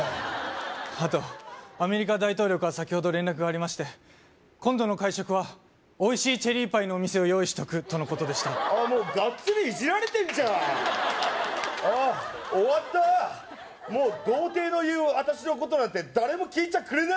あとアメリカ大統領から先ほど連絡がありまして今度の会食はおいしいチェリーパイのお店を用意しとくとのことでしたもうがっつりイジられてんじゃんあっ終わったもう童貞の言う私のことなんて誰も聞いちゃくれないよ